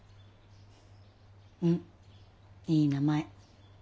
うんいい名前。